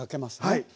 はい。